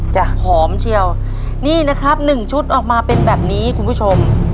จะหอมเชียวนี่นะครับหนึ่งชุดออกมาเป็นแบบนี้คุณผู้ชม